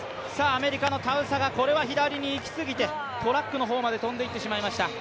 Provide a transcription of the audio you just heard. アメリカのタウサガ、これは左に行きすぎてトラックの方まで飛んでいってしまいました。